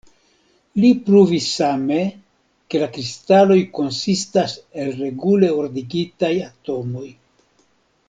Li pruvis same, ke la kristaloj konsistas el regule ordigitaj atomoj.